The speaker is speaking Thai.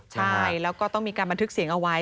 ใช่แล้วก็ต้องมีการบันทึกเสียงเอาไว้